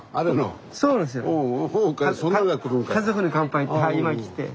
「家族に乾杯」って今来て。